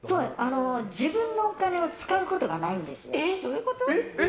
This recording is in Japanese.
自分のお金を使うことがないんですよ。